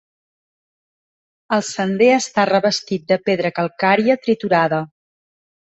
El sender està revestit de pedra calcària triturada.